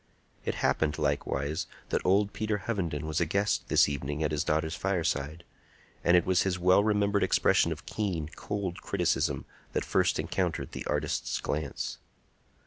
It happened, likewise, that old Peter Hovenden was a guest this evening at his daughter's fireside, and it was his well remembered expression of keen, cold criticism that first encountered the artist's glance.